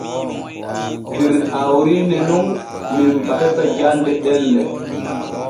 Der hawrine nun men batana jande ɗelle.